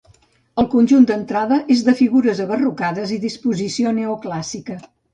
El conjunt d'entrada és de figures abarrocades i disposició neoclàssica.